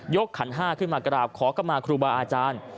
ขันห้าขึ้นมากราบขอเข้ามาครูบาอาจารย์